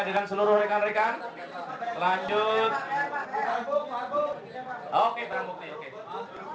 oh tidak semua masih berjalan bagus dan operatif untuk